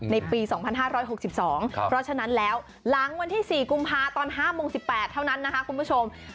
ในปี๒๕๖๒เพราะฉะนั้นแล้วหลังวันที่๔กุมภาตอน๕โมง๑๘เท่านั้นนะคะคุณผู้ชม